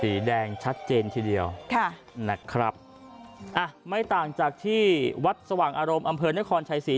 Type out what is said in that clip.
สีแดงชัดเจนทีเดียวค่ะนะครับอ่ะไม่ต่างจากที่วัดสว่างอารมณ์อำเภอนครชัยศรี